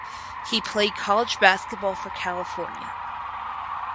He played college basketball for California.